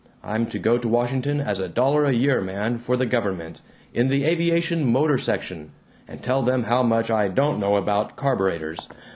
I'm to go to Washington as a dollar a year man for the government, in the aviation motor section, and tell them how much I don't know about carburetors.